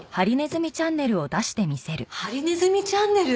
「ハリネズミチャンネル」？